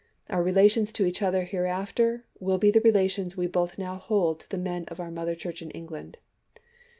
.. Our relations to each other hereafter will be the relations we both now hold to the men of our mother Church in England."